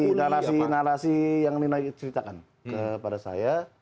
ya narasi narasi yang nino ika rundeng ceritakan kepada saya